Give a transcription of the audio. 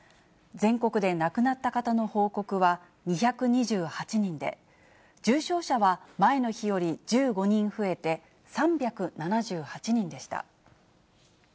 全国で亡くなった方の報告は２２８人で、重症者は前の日より１５人増えて３７８人でした。